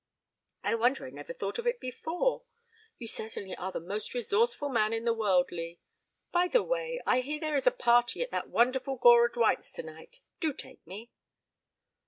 I wonder I never thought of it before. You certainly are the most resourceful man in the world, Lee by the way, I hear there is a party at that wonderful Gora Dwight's tonight. Do take me."